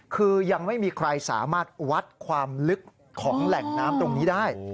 คือยังไม่มีใครสามารถวัดความลึกของแหล่งน้ำตรงนี้ได้